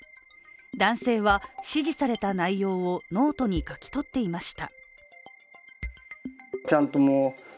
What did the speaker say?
男性は、指示された内容をノートに書き取っていました。